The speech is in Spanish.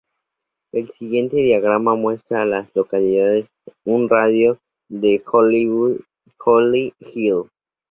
El siguiente diagrama muestra a las localidades en un radio de de Holly Hill.